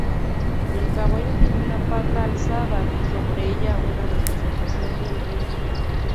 El caballo tenía una pata alzada y sobre ella una representación del Rin.